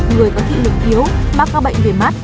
người có thị lực yếu mắc các bệnh về mắt